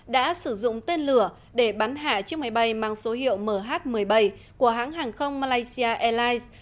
đã sử dụng tên lửa để bắn hạ chiếc máy bay mang số hiệu mh một mươi bảy của hãng hàng không malaysia airlines